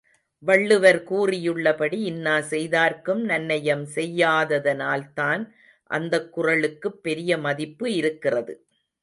வள்ளுவர் கூறியுள்ளபடி, இன்னா செய்தார்க்கும் நன்னயம் செய்யாததனால்தான் அந்தக் குறளுக்குப் பெரிய மதிப்பு இருக்கிறது.